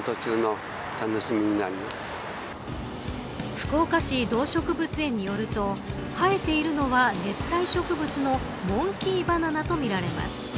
福岡市動植物園によると生えているのは熱帯植物のモンキーバナナとみられます。